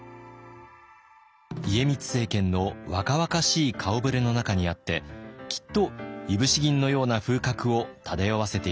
家光政権の若々しい顔ぶれの中にあってきっといぶし銀のような風格を漂わせていたことでしょう。